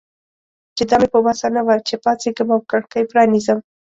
چې دا مې په وسه نه وه چې پاڅېږم او کړکۍ پرانیزم.